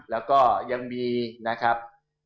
แล้วก็ยังมีนะครับ